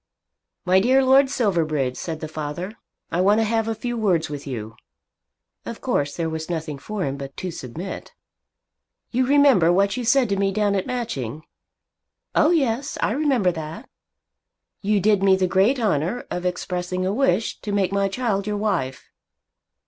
"My dear Lord Silverbridge," said the father, "I want to have a few words with you." Of course there was nothing for him but to submit. "You remember what you said to me down at Matching?" "Oh yes; I remember that." "You did me the great honour of expressing a wish to make my child your wife."